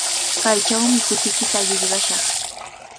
Kaychawmi hutiykita qillqashaq.